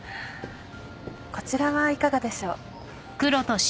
こちらはいかがでしょう？